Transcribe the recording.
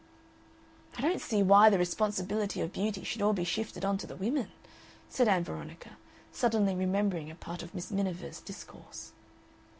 "I don't see why the responsibility of beauty should all be shifted on to the women," said Ann Veronica, suddenly remembering a part of Miss Miniver's discourse.